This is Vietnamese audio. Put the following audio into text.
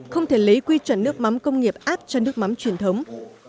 không thể lấy quy chuẩn nước mắm công nghiệp áp cho nước mắm truyền thống